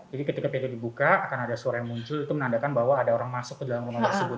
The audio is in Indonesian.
jadi ketika pintunya dibuka akan ada suara yang muncul itu menandakan bahwa ada orang masuk ke dalam rumah tersebut ya